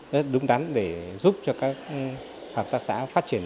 rất đúng đắn để giúp cho các hợp tác xã phát triển